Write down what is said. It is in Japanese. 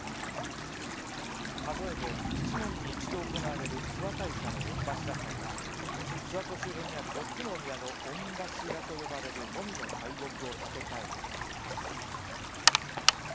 数えで７年に一度行われる諏訪大社の御柱祭は諏訪湖周辺にある４つの宮の御柱と呼ばれるもみの大木を建て替えるお祭りです。